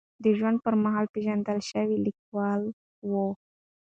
د ژوند پر مهال پېژندل شوې لیکواله وه.